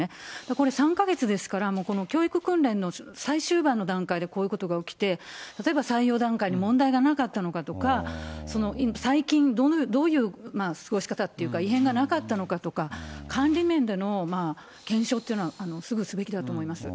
これ、３か月ですから、この教育訓練の最終盤の段階でこういうことが起きて、例えば採用段階に問題がなかったのかとか、最近どういう過ごし方というか、異変がなかったのかとか、管理面での検証というのはすぐすべきだと思います。